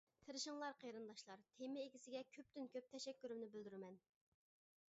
تىرىشىڭلار قېرىنداشلار، تېما ئىگىسىگە كۆپتىن-كۆپ تەشەككۈرۈمنى بىلدۈرىمەن.